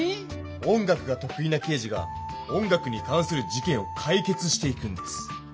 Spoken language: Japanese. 音楽がとく意な刑事が音楽にかんする事けんをかい決していくんです。